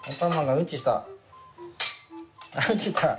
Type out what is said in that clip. うんちした。